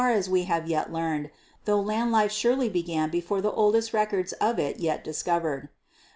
as we have yet learned, tho land life surely began before the oldest records of it yet discovered.